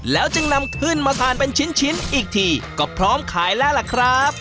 แล้วจึงนำขึ้นมาทานเป็นชิ้นอีกทีก็พร้อมขายแล้วล่ะครับ